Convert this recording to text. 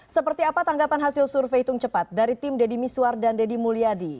seperti apa tanggapan hasil survei hitung cepat dari tim deddy miswar dan deddy mulyadi